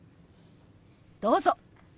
どうぞ。